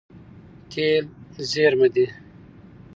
تېل زیرمه ده.